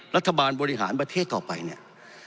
รัฐบาลบริหารประเทศต่อไปเนี่ย